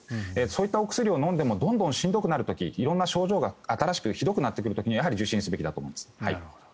そういったお薬を飲んでもどんどんしんどくなる時色んな症状が新しくひどくなってくる時にはやはり受診すべきだと思います。